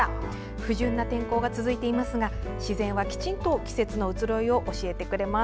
不順な天候が続いていますが自然はきちんと季節の移ろいを教えてくれます。